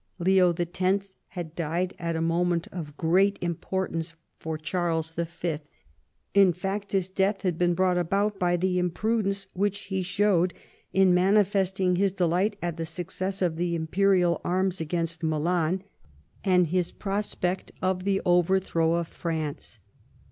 Leo X. had died at a moment of great importance for Charles V. ; in fact his death had been brought about by the imprudence which he showed in manifesting his delight at the success of the imperial arms against Milan, and his prospect of the over throw of France.